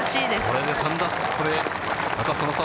これで３打差。